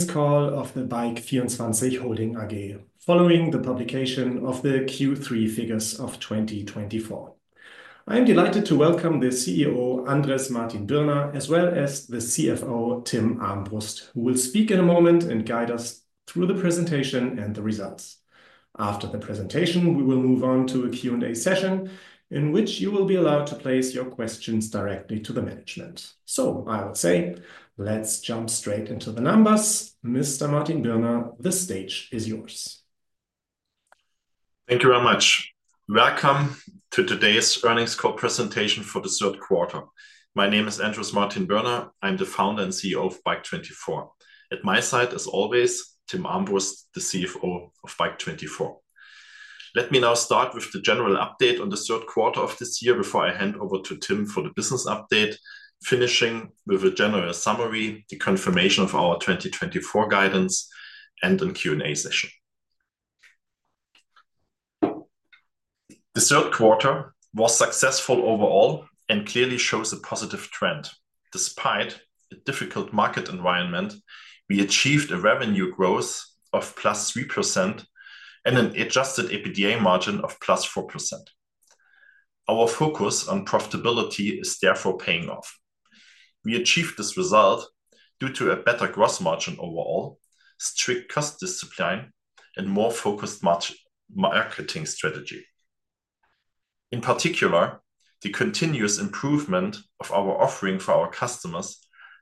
This call of the Bike24 Holding AG, following the publication of the Q3 figures of 2024. I am delighted to welcome the CEO, Andrés Martin-Birner, as well as the CFO, Timm Armbrust, who will speak in a moment and guide us through the presentation and the results. After the presentation, we will move on to a Q&A session in which you will be allowed to place your questions directly to the management. So, I would say, let's jump straight into the numbers. Mr. Martin-Birner, the stage is yours. Thank you very much. Welcome to today's earnings call presentation for the third quarter. My name is Andrés Martin-Birner. I'm the founder and CEO of Bike24. At my side, as always, Timm Armbrust, the CFO of Bike24. Let me now start with the general update on the third quarter of this year before I hand over to Timm for the business update, finishing with a general summary, the confirmation of our 2024 guidance, and a Q&A session. The third quarter was successful overall and clearly shows a positive trend. Despite a difficult market environment, we achieved a revenue growth of +3% and an adjusted EBITDA margin of +4%. Our focus on profitability is therefore paying off. We achieved this result due to a better gross margin overall, strict cost discipline, and more focused marketing strategy. In particular, the continuous improvement of our offering for our customers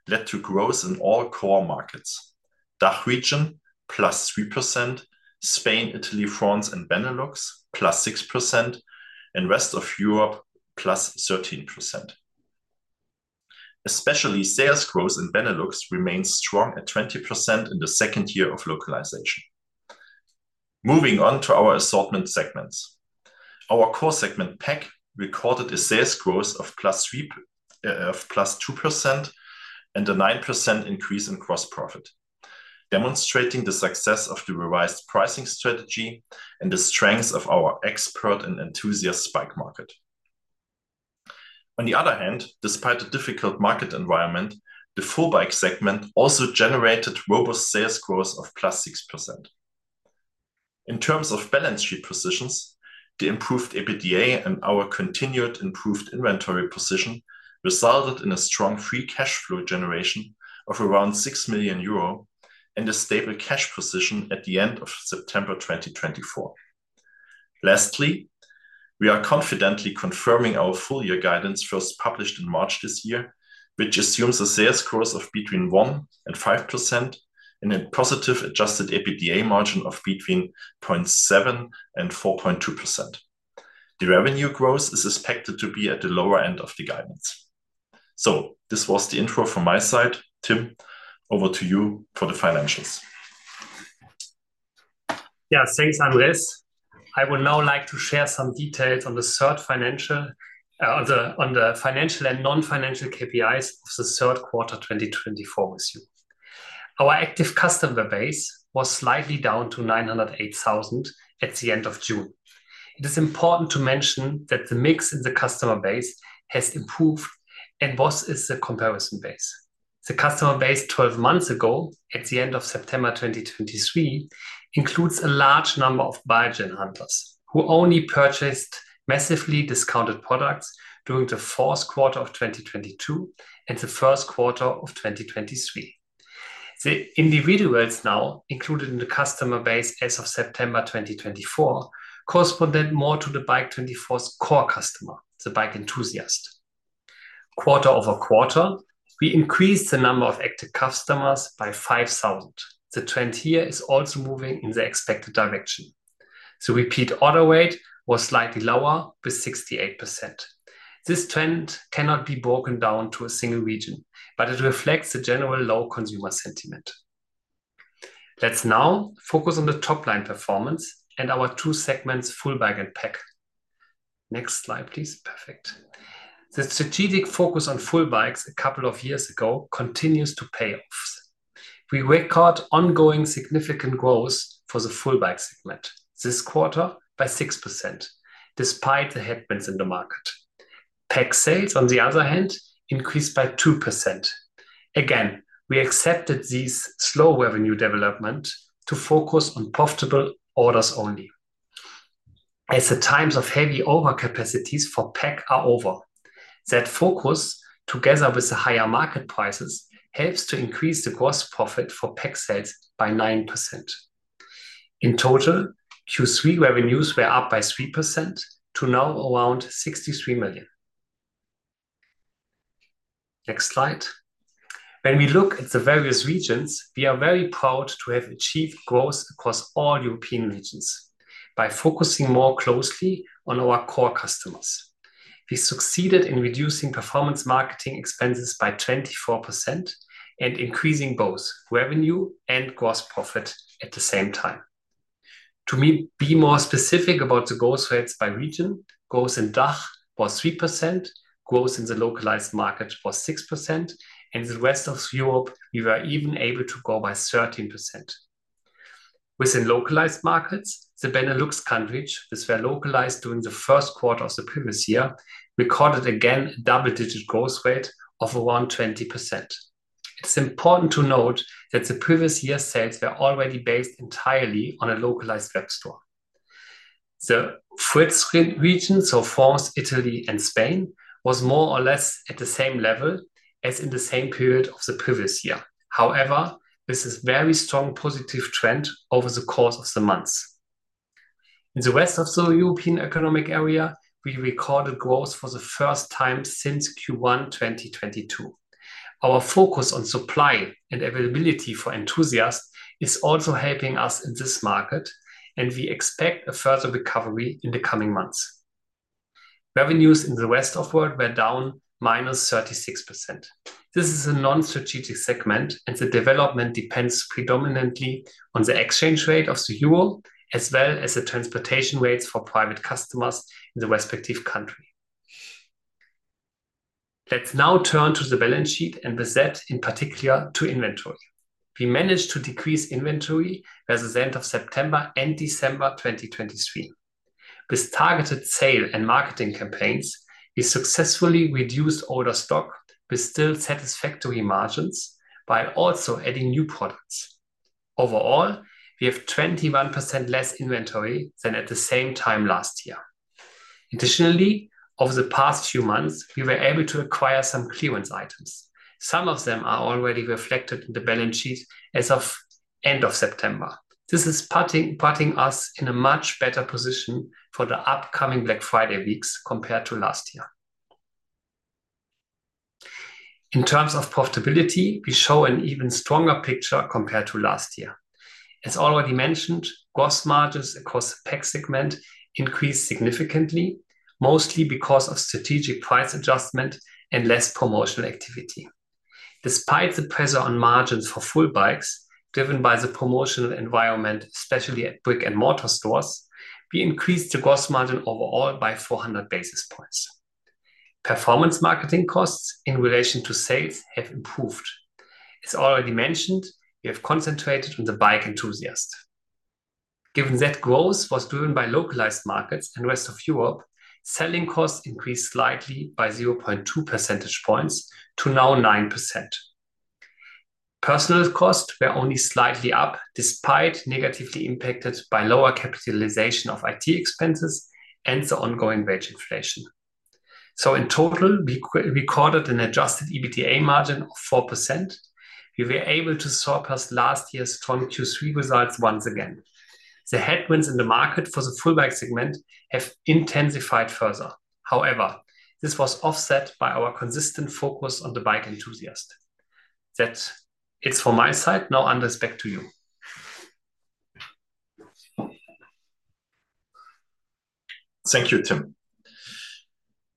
led to growth in all core markets: DACH region, +3%; Spain, Italy, France, and Benelux, +6%; and rest of Europe, +13%. Especially sales growth in Benelux remains strong at 20% in the second year of localization. Moving on to our assortment segments, our core segment PAC recorded a sales growth of +2% and a 9% increase in gross profit, demonstrating the success of the revised pricing strategy and the strength of our expert and enthusiast bike market. On the other hand, despite a difficult market environment, the full bike segment also generated robust sales growth of +6%. In terms of balance sheet positions, the improved Adjusted EBITDA and our continued improved inventory position resulted in a strong free cash flow generation of around 6 million euro and a stable cash position at the end of September 2024. Lastly, we are confidently confirming our full year guidance first published in March this year, which assumes a sales growth of between 1% and 5% and a positive adjusted EBITDA margin of between 0.7% and 4.2%. The revenue growth is expected to be at the lower end of the guidance. So, this was the intro from my side. Timm, over to you for the financials. Yeah, thanks, Andrés. I would now like to share some details on the selected financial and non-financial KPIs of the third quarter 2024 with you. Our active customer base was slightly down to 908,000 at the end of June. It is important to mention that the mix in the customer base has improved and versus the comparison base. The customer base 12 months ago, at the end of September 2023, includes a large number of bargain hunters who only purchased massively discounted products during the fourth quarter of 2022 and the first quarter of 2023. The individuals now included in the customer base as of September 2024 corresponded more to the Bike24's core customer, the bike enthusiast. Quarter over quarter, we increased the number of active customers by 5,000. The trend here is also moving in the expected direction. The repeat order weight was slightly lower with 68%. This trend cannot be broken down to a single region, but it reflects the general low consumer sentiment. Let's now focus on the top-line performance and our two segments, full bike and PAC. Next slide, please. Perfect. The strategic focus on full bikes a couple of years ago continues to pay off. We record ongoing significant growth for the full bike segment this quarter by 6%, despite the headwinds in the market. PAC sales, on the other hand, increased by 2%. Again, we accepted this slow revenue development to focus on profitable orders only, as the times of heavy overcapacities for PAC are over. That focus, together with the higher market prices, helps to increase the gross profit for PAC sales by 9%. In total, Q3 revenues were up by 3% to now around 63 million. Next slide. When we look at the various regions, we are very proud to have achieved growth across all European regions by focusing more closely on our core customers. We succeeded in reducing performance marketing expenses by 24% and increasing both revenue and gross profit at the same time. To be more specific about the growth rates by region, growth in DACH was three%, growth in the localized markets was six%, and in the rest of Europe, we were even able to grow by 13%. Within localized markets, the Benelux countries, which were localized during the first quarter of the previous year, recorded again a double-digit growth rate of around 20%. It's important to note that the previous year's sales were already based entirely on a localized web store. The Southern region, so France, Italy, and Spain, was more or less at the same level as in the same period of the previous year. However, this is a very strong positive trend over the course of the months. In the rest of the European Economic Area, we recorded growth for the first time since Q1 2022. Our focus on supply and availability for enthusiasts is also helping us in this market, and we expect a further recovery in the coming months. Revenues in the rest of the world were down minus 36%. This is a non-strategic segment, and the development depends predominantly on the exchange rate of the euro, as well as the transportation rates for private customers in the respective country. Let's now turn to the balance sheet and with that, in particular, to inventory. We managed to decrease inventory by the end of September and December 2023. With targeted sales and marketing campaigns, we successfully reduced older stock with still satisfactory margins while also adding new products. Overall, we have 21% less inventory than at the same time last year. Additionally, over the past few months, we were able to acquire some clearance items. Some of them are already reflected in the balance sheet as of the end of September. This is putting us in a much better position for the upcoming Black Friday weeks compared to last year. In terms of profitability, we show an even stronger picture compared to last year. As already mentioned, gross margins across the PAC segment increased significantly, mostly because of strategic price adjustment and less promotional activity. Despite the pressure on margins for full bikes, driven by the promotional environment, especially at brick-and-mortar stores, we increased the gross margin overall by 400 basis points. Performance marketing costs in relation to sales have improved. As already mentioned, we have concentrated on the bike enthusiast. Given that growth was driven by localized markets and the rest of Europe, selling costs increased slightly by 0.2 percentage points to now 9%. Personnel costs were only slightly up, despite negatively impacted by lower capitalization of IT expenses and the ongoing wage inflation. So, in total, we recorded an adjusted EBITDA margin of 4%. We were able to surpass last year's strong Q3 results once again. The headwinds in the market for the full bike segment have intensified further. However, this was offset by our consistent focus on the bike enthusiast. That's it for my side. Now, Andrés, back to you. Thank you, Tim.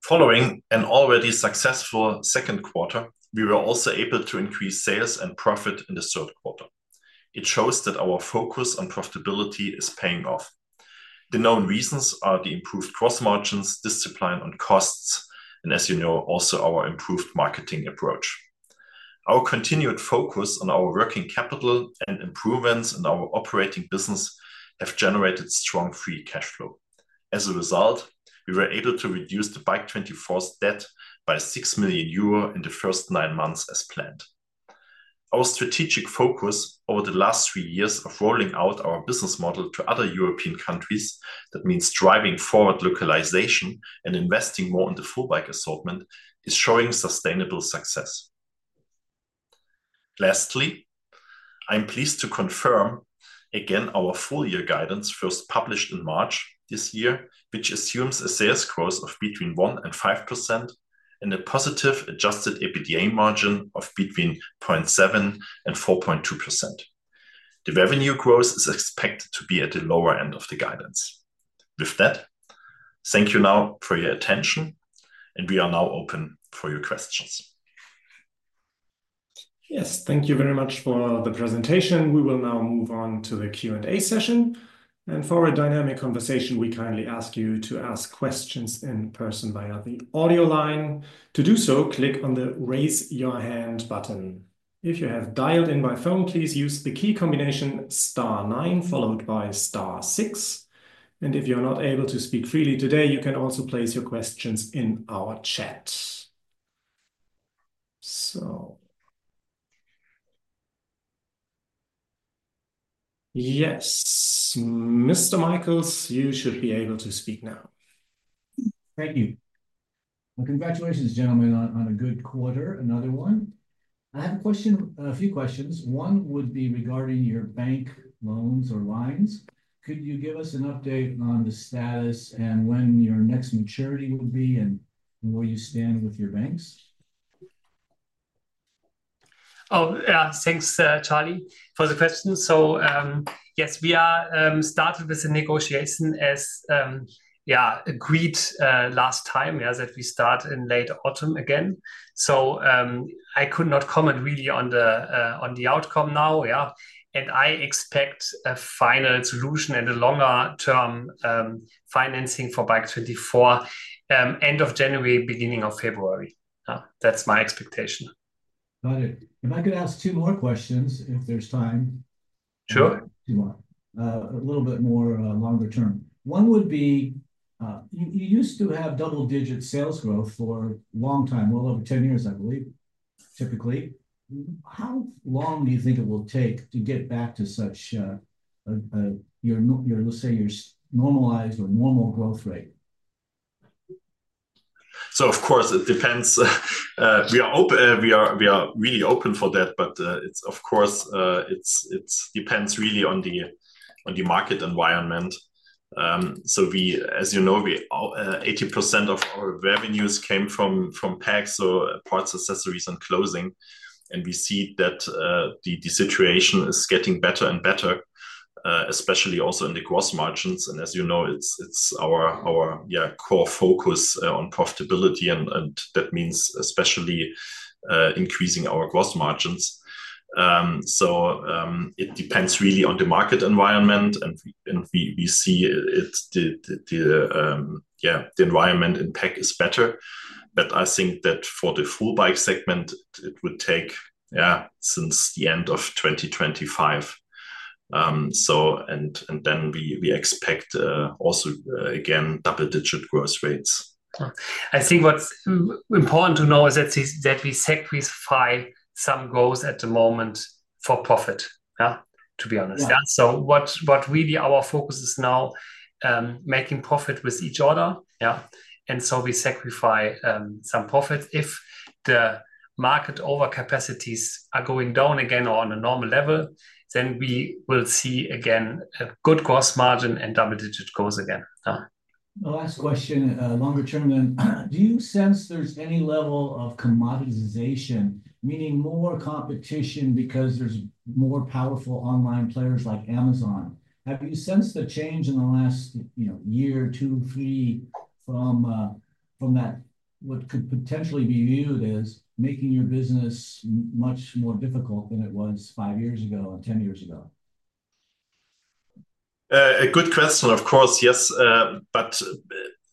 Following an already successful second quarter, we were also able to increase sales and profit in the third quarter. It shows that our focus on profitability is paying off. The known reasons are the improved gross margins, discipline, and costs, and, as you know, also our improved marketing approach. Our continued focus on our working capital and improvements in our operating business have generated strong free cash flow. As a result, we were able to reduce the Bike24's debt by six million euro in the first nine months as planned. Our strategic focus over the last three years of rolling out our business model to other European countries, that means driving forward localization and investing more in the full bike assortment, is showing sustainable success. Lastly, I'm pleased to confirm again our full year guidance first published in March this year, which assumes a sales growth of between 1% and 5% and a positive adjusted EBITDA margin of between 0.7% and 4.2%. The revenue growth is expected to be at the lower end of the guidance. With that, thank you now for your attention, and we are now open for your questions. Yes, thank you very much for the presentation. We will now move on to the Q&A session. And for a dynamic conversation, we kindly ask you to ask questions in person via the audio line. To do so, click on the raise your hand button. If you have dialed in by phone, please use the key combination star 9 followed by star 6. And if you're not able to speak freely today, you can also place your questions in our chat. So, yes, Mr. Michaels, you should be able to speak now. Thank you. Congratulations, gentlemen, on a good quarter. Another one. I have a question, a few questions. One would be regarding your bank loans or lines. Could you give us an update on the status and when your next maturity would be and where you stand with your banks? Oh, thanks, Charlie, for the question. So, yes, we started with the negotiation as agreed last time, yeah, that we start in late autumn again. So, I could not comment really on the outcome now, yeah. And I expect a final solution and a longer-term financing for Bike24, end of January, beginning of February. That's my expectation. Got it. If I could ask two more questions if there's time. Sure. A little bit more longer term. One would be, you used to have double-digit sales growth for a long time, well over 10 years, I believe, typically. How long do you think it will take to get back to such, let's say, your normalized or normal growth rate? Of course, it depends. We are really open for that, but of course, it depends really on the market environment. As you know, 80% of our revenues came from PAC, so parts, accessories, and clothing. We see that the situation is getting better and better, especially also in the gross margins. As you know, it's our core focus on profitability, and that means especially increasing our gross margins. It depends really on the market environment, and we see the environment in PAC is better. I think that for the full bikes segment, it would take, yeah, since the end of 2025, and then we expect also again double-digit growth rates. I think what's important to know is that we sacrifice some growth at the moment for profit, to be honest, so what really is our focus now, making profit with each order, and so we sacrifice some growth. If the market overcapacities are going down again or on a normal level, then we will see again a good gross margin and double-digit growth again. Last question, longer term. Do you sense there's any level of commoditization, meaning more competition because there's more powerful online players like Amazon? Have you sensed the change in the last one, two, three from that what could potentially be viewed as making your business much more difficult than it was five years ago and 10 years ago? A good question, of course, yes. But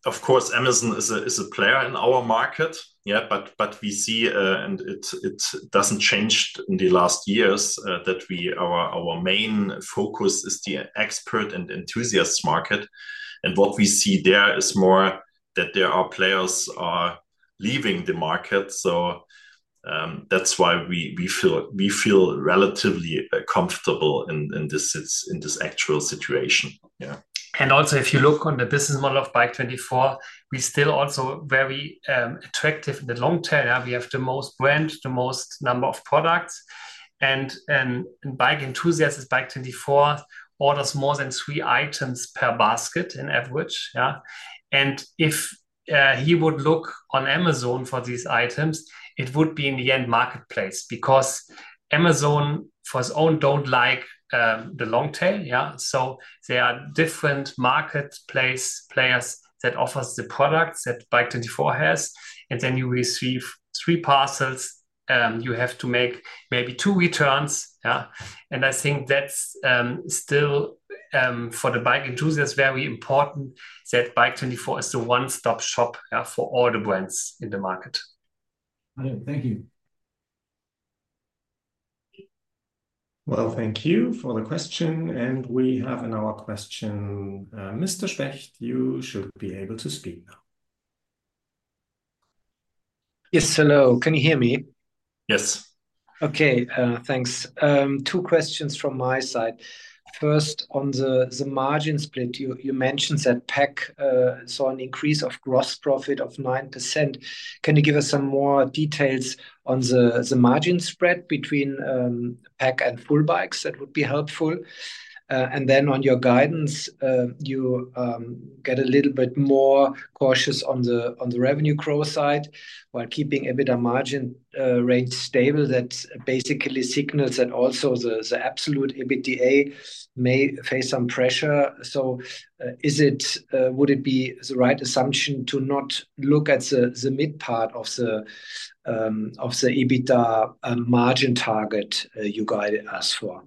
of course, Amazon is a player in our market, yeah, but we see, and it doesn't change in the last years, that our main focus is the expert and enthusiast market. And what we see there is more that there are players leaving the market. So, that's why we feel relatively comfortable in this actual situation, yeah. And also, if you look on the business model of Bike24, we're still also very attractive in the long term. We have the most brands, the most number of products. And a bike enthusiast at Bike24 orders more than three items per basket in average, yeah. And if he would look on Amazon for these items, it would be in the end marketplace because Amazon, for its own, don't like the long tail, yeah. So, there are different marketplace players that offer the products that Bike24 has. And then you receive three parcels. You have to make maybe two returns, yeah. And I think that's still, for the bike enthusiasts, very important that Bike24 is the one-stop shop for all the brands in the market. Thank you. Thank you for the question. We have another question. Mr. Schwecht, you should be able to speak now. Yes, hello. Can you hear me? Yes. Okay, thanks. Two questions from my side. First, on the margin split, you mentioned that PAC saw an increase of gross profit of 9%. Can you give us some more details on the margin spread between PAC and Full Bikes? That would be helpful. And then on your guidance, you get a little bit more cautious on the revenue growth side while keeping EBITDA margin rate stable. That basically signals that also the absolute EBITDA may face some pressure. So, would it be the right assumption to not look at the mid part of the EBITDA margin target you guided us for?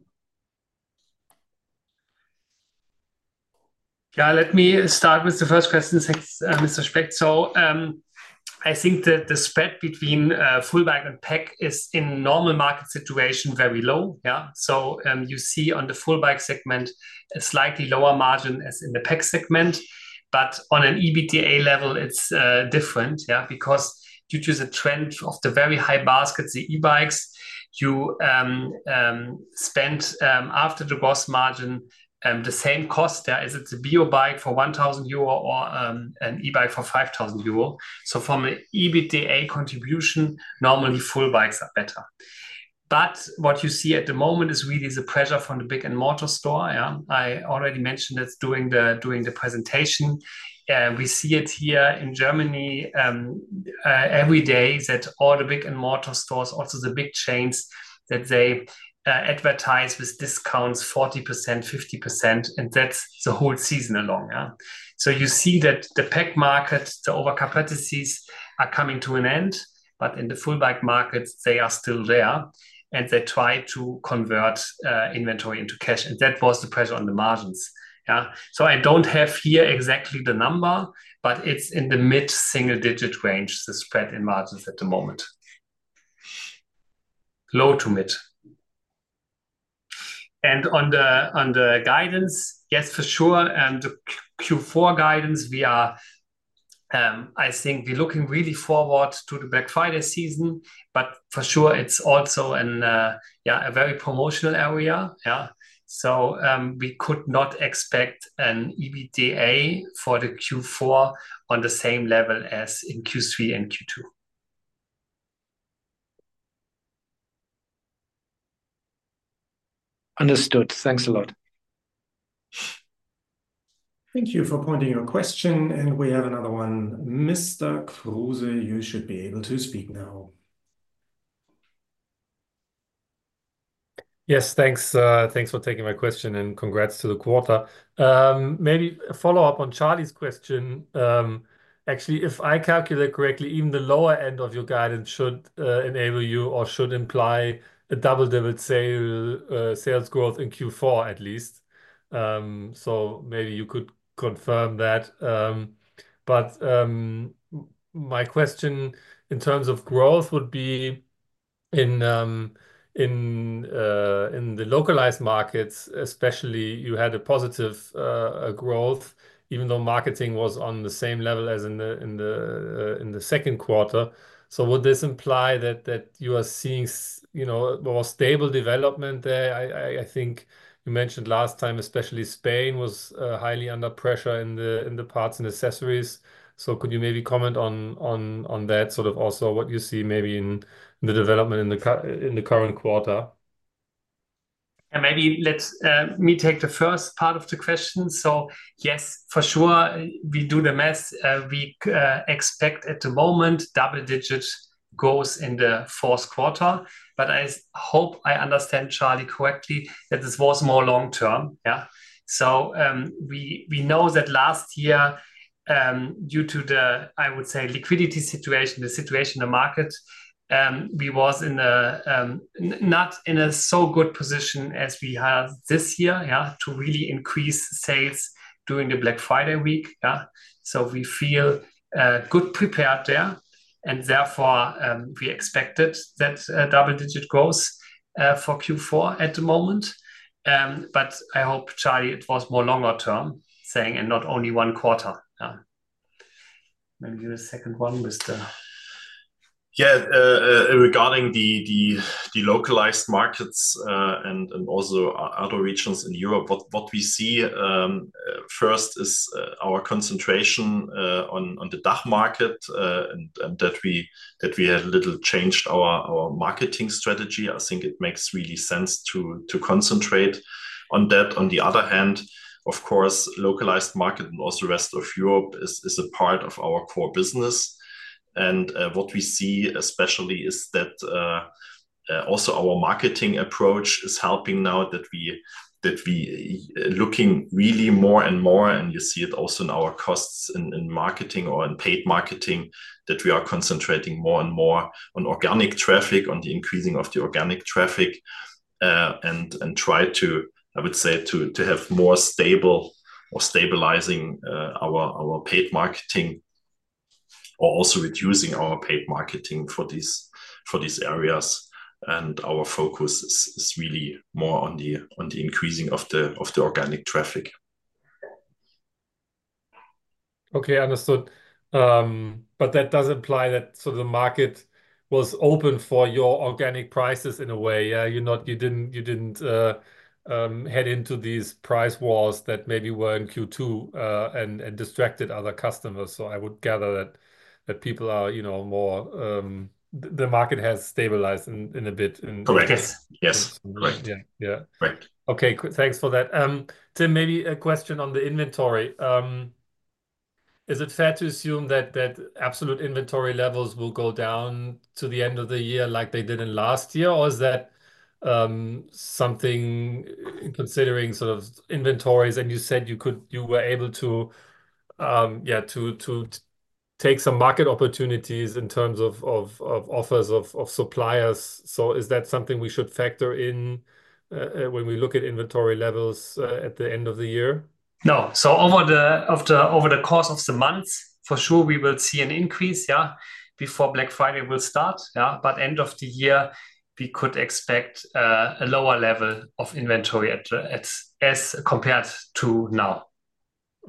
Yeah, let me start with the first question, Mr. Schwecht. So, I think that the spread between full bike and PAC is, in normal market situation, very low, yeah. So, you see on the full bike segment a slightly lower margin as in the PAC segment. But on an EBITDA level, it's different, yeah, because due to the trend of the very high baskets, the e-bikes, you spend after the gross margin the same cost there as it's a bio bike for 1,000 euro or an e-bike for 5,000 euro. So, from an EBITDA contribution, normally full bikes are better. But what you see at the moment is really the pressure from the brick-and-mortar store, yeah. I already mentioned that during the presentation. We see it here in Germany every day that all the brick-and-mortar stores, also the big chains, that they advertise with discounts 40%, 50%, and that's the whole season along, yeah. So, you see that the PAC market, the overcapacities are coming to an end, but in the full bike market, they are still there. And they try to convert inventory into cash. And that was the pressure on the margins, yeah. So, I don't have here exactly the number, but it's in the mid single-digit range, the spread in margins at the moment. Low to mid. And on the guidance, yes, for sure. The Q4 guidance, we are, I think we're looking really forward to the Black Friday season. But for sure, it's also a very promotional area, yeah. So, we could not expect an EBITDA for the Q4 on the same level as in Q3 and Q2. Understood. Thanks a lot. Thank you for your question, and we have another one. Mr. Kruse, you should be able to speak now. Yes, thanks. Thanks for taking my question and congrats to the quarter. Maybe a follow-up on Charlie's question. Actually, if I calculate correctly, even the lower end of your guidance should enable you or should imply a double-digit sales growth in Q4 at least. So, maybe you could confirm that. But my question in terms of growth would be in the localized markets, especially you had a positive growth, even though marketing was on the same level as in the second quarter. So, would this imply that you are seeing more stable development there? I think you mentioned last time, especially Spain was highly under pressure in the parts and accessories. So, could you maybe comment on that, sort of also what you see maybe in the development in the current quarter? Maybe let me take the first part of the question. So, yes, for sure, we do the math. We expect at the moment double-digit growth in the fourth quarter. But I hope I understand Charlie correctly that this was more long term, yeah. So, we know that last year, due to the, I would say, liquidity situation, the situation in the market, we were not in a so good position as we had this year, yeah, to really increase sales during the Black Friday week, yeah. So, we feel good prepared there. And therefore, we expected that double-digit growth for Q4 at the moment. But I hope, Charlie, it was more longer term thing and not only one quarter, yeah. Maybe the second one, Mr. Yeah, regarding the localized markets and also other regions in Europe, what we see first is our concentration on the DACH market and that we have a little changed our marketing strategy. I think it makes really sense to concentrate on that. On the other hand, of course, localized market and also rest of Europe is a part of our core business. And what we see especially is that also our marketing approach is helping now that we are looking really more and more, and you see it also in our costs in marketing or in paid marketing, that we are concentrating more and more on organic traffic, on the increasing of the organic traffic, and try to, I would say, to have more stable or stabilizing our paid marketing or also reducing our paid marketing for these areas. Our focus is really more on the increasing of the organic traffic. Okay, understood. But that does imply that sort of the market was open for your organic prices in a way, yeah? You didn't head into these price walls that maybe were in Q2 and distracted other customers. So, I would gather that people are more, the market has stabilized in a bit. Correct, yes. Correct. Yeah. Okay, thanks for that. Tim, maybe a question on the inventory. Is it fair to assume that absolute inventory levels will go down to the end of the year like they did in last year? Or is that something considering sort of inventories? And you said you were able to, yeah, to take some market opportunities in terms of offers of suppliers. So, is that something we should factor in when we look at inventory levels at the end of the year? No. So, over the course of the month, for sure, we will see an increase, yeah, before Black Friday will start, yeah. But, end of the year, we could expect a lower level of inventory as compared to now.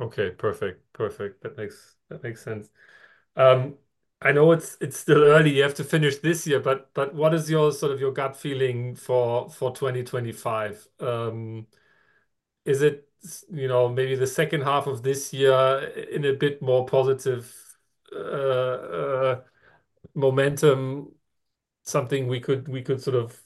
Okay, perfect. Perfect. That makes sense. I know it's still early. You have to finish this year. But what is sort of your gut feeling for 2025? Is it maybe the second half of this year in a bit more positive momentum, something we could sort of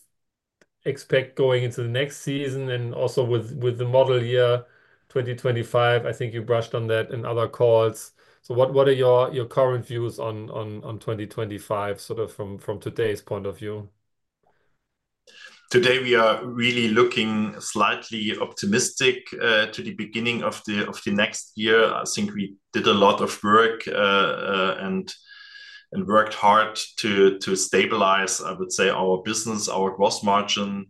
expect going into the next season? And also with the model year, 2025, I think you brushed on that in other calls. So, what are your current views on 2025, sort of from today's point of view? Today, we are really looking slightly optimistic to the beginning of the next year. I think we did a lot of work and worked hard to stabilize, I would say, our business, our gross margin,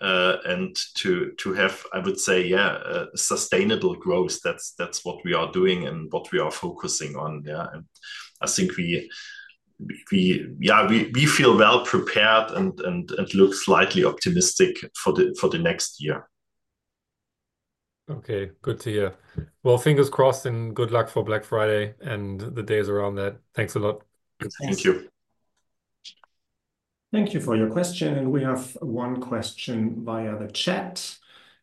and to have, I would say, yeah, sustainable growth. That's what we are doing and what we are focusing on, yeah, and I think we, yeah, we feel well prepared and look slightly optimistic for the next year. Okay, good to hear. Fingers crossed and good luck for Black Friday and the days around that. Thanks a lot. Thank you. Thank you for your question, and we have one question via the chat.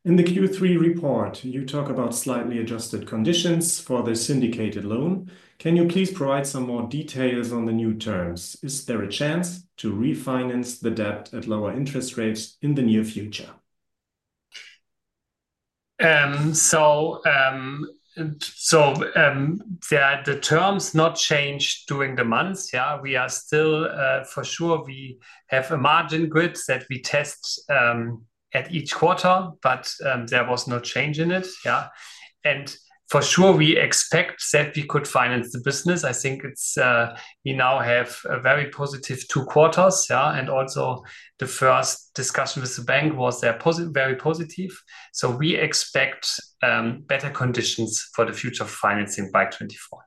In the Q3 report, you talk about slightly adjusted conditions for the syndicated loan. Can you please provide some more details on the new terms? Is there a chance to refinance the debt at lower interest rates in the near future? So, yeah, the terms not changed during the months, yeah. We are still, for sure, we have a margin grid that we test at each quarter, but there was no change in it, yeah. And for sure, we expect that we could finance the business. I think we now have a very positive two quarters, yeah. And also, the first discussion with the bank was very positive. So, we expect better conditions for the future financing by 2024.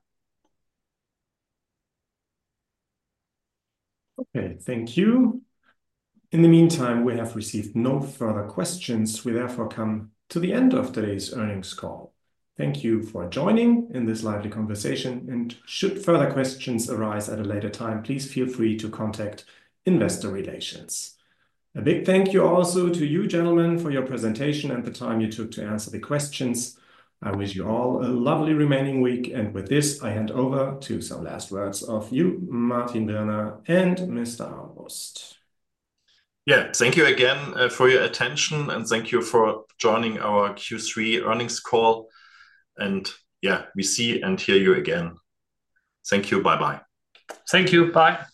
Okay, thank you. In the meantime, we have received no further questions. We therefore come to the end of today's earnings call. Thank you for joining in this lively conversation, and should further questions arise at a later time, please feel free to contact Investor Relations. A big thank you also to you, gentlemen, for your presentation and the time you took to answer the questions. I wish you all a lovely remaining week, and with this, I hand over to some last words of you, Martin-Birner, and Mr. Armbrust. Yeah, thank you again for your attention. And thank you for joining our Q3 earnings call. And yeah, we see and hear you again. Thank you. Bye-bye. Thank you. Bye.